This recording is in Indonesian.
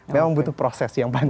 memang butuh proses yang panjang